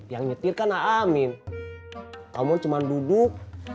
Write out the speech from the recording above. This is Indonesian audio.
yang nyetir kan aamin kamu cuma duduk